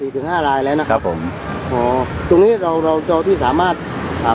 ถึงห้าลายแล้วนะครับผมอ๋อตรงนี้เราเราเจ้าที่สามารถอ่า